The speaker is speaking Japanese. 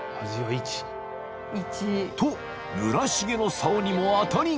［と村重のさおにも当たりが］